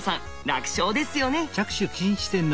楽勝ですよね？